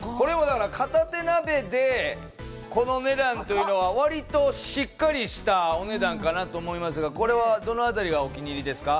片手鍋で、このお値段というのは、割としっかりしたお値段かなと思いますが、どのあたりがお気に入りですか？